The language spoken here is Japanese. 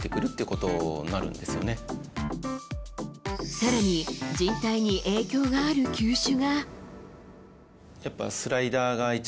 さらにじん帯に影響がある球種が。